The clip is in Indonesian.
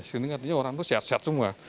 screening artinya orang itu sehat sehat semua